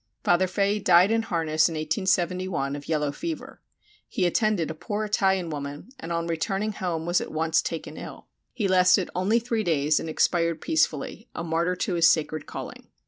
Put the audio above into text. Father Fahy died in harness in 1871 of yellow fever; he attended a poor Italian woman and on returning home was at once taken ill. He lasted only three days and expired peacefully, a martyr to his sacred calling.